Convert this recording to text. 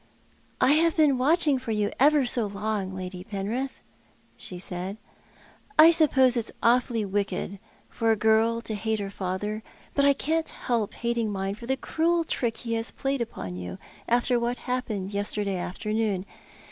" I have been watching for you ever so long, Lady Penrith,"* she said. " I suppose it's awfully wicked for a girl to hato 246 ThoiL art the Man. her father, but I can't help hating mine for the cruel trick he has played upon you — after what happened yesterday afternoon.